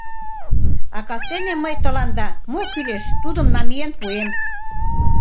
А кастене мый тыланда, мо кӱлеш, тудым намиен пуэм.